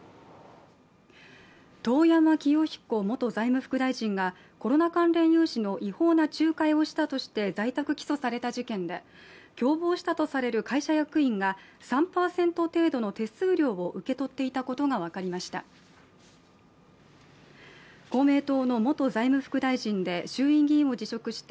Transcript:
遠山清彦元財務副大臣がコロナ関連融資の違法な仲介をしたとして在宅起訴された事件で、共謀したとされる会社役員が、３％程度の手数料を受け取っていたことが分かりました。